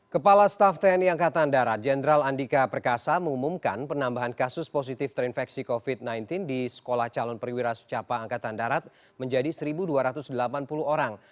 kepala staff tni angkatan darat jenderal andika perkasa mengumumkan penambahan kasus positif terinfeksi covid sembilan belas di sekolah calon perwira secapa angkatan darat menjadi satu dua ratus delapan puluh orang